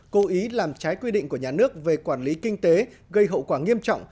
cố ý làm trái quy định của nhà nước về quản lý kinh tế gây hậu quả nghiêm trọng